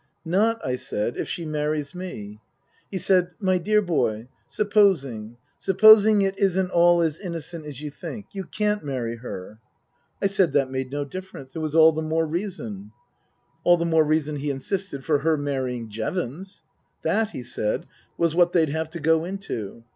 " Not," I said, " if she marries me." He said, " My dear boy, supposing supposing it isn't all as innocent as you think ? You can't marry her." I said that made no difference. It was all the more reason. All the more reason, he insisted, for her marrying Jevons. That, he said, was what they'd have to go into.